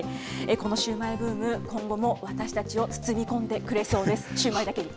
このシューマイブーム、今後も私たちを包み込んでくれそうです、シューマイだけに。